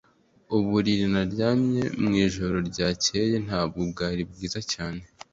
Uburiri naryamye mwijoro ryakeye ntabwo bwari bwiza cyane